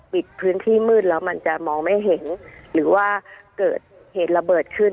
พื้นที่มืดแล้วมันจะมองไม่เห็นหรือว่าเกิดเหตุระเบิดขึ้น